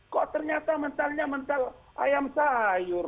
kok ternyata mentalnya mental ayam sayur